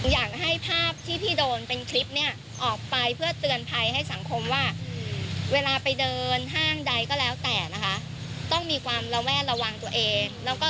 อยากให้ภาพที่พี่โดนเป็นคลิปเนี่ยออกไปเพื่อเตือนภัยให้สังคมว่าเวลาไปเดินห้างใดก็แล้วแต่นะคะ